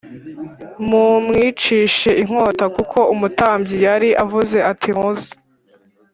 mumwicishe inkota kuko umutambyi yari avuze ati muze